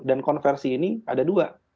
dan konversi ini ada dua